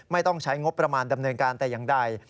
ไม่ต้องใช้งบประมาณดำเนินการแต่อย่างใด